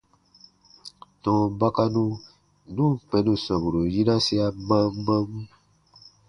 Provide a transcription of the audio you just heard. Tɔ̃ɔ bakanu nu ǹ kpɛ̃ nù sɔmburu yinasia mam mam.